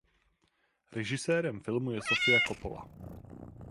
Režisérem filmu je Sofia Coppola.